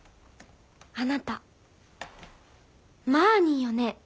あなたマーニーよね！